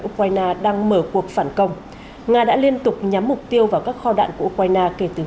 ukraine đang mở cuộc phản công nga đã liên tục nhắm mục tiêu vào các kho đạn của ukraine kể từ